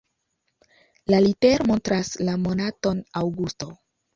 La litero montras la monaton aŭgusto.